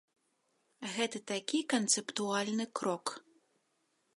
Гэта такі канцэптуальны крок.